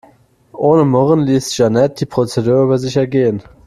Ohne Murren ließ Jeanette die Prozedur über sich ergehen.